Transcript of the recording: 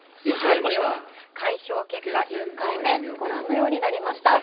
開票結果、１回目ご覧のようになりました。